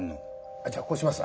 あっじゃあこうします。